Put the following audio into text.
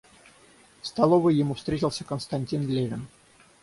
В столовой ему встретился Константин Левин.